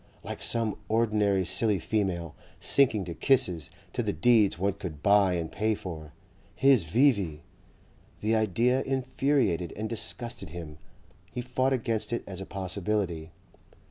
Like some ordinary silly female, sinking to kisses, to the deeds one could buy and pay for. His V.V.! The idea infuriated and disgusted him. He fought against it as a possibility.